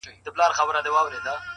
پوه انسان د پوښتنې ارزښت درک کوي؛